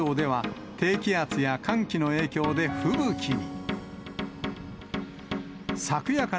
北海道では、低気圧や寒気の影響で吹雪に。